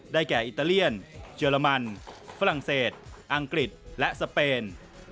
แก่อิตาเลียนเยอรมันฝรั่งเศสอังกฤษและสเปน